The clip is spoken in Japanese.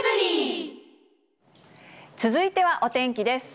続いてはお天気です。